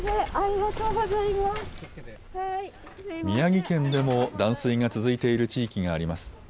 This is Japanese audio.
宮城県でも断水が続いている地域があります。